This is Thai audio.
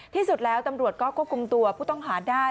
ที่สุดแล้วตำรวจก็ควบคุมตัวผู้ต้องหาได้